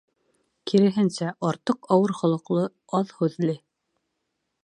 Киреһенсә, артыҡ ауыр холоҡло, аҙ һүҙле.